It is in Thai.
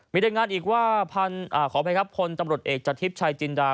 มีรายงานอีกว่าขออภัยครับพลตำรวจเอกจากทิพย์ชายจินดา